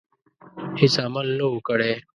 هیڅ عمل نه وو کړی.